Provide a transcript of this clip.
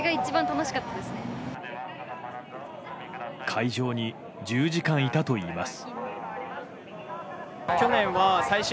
会場に１０時間いたといいます。